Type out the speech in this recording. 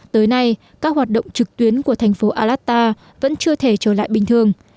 tới nay các hoạt động trực tuyến của thành phố alatta vẫn chưa thể trở lại bình thường